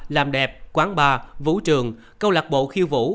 làm đẹp quán bar vũ trường câu lạc bộ khiêu vũ